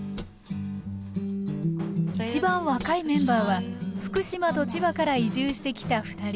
一番若いメンバーは福島と千葉から移住してきた２人。